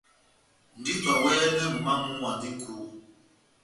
Ndito awɛnɛngɛ momó wamu, andi nʼkúwa.